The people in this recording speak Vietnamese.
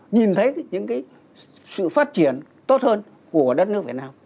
nhìn thấy những cái sự phát triển tốt hơn của đất nước việt nam